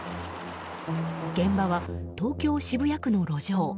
現場は東京・渋谷区の路上。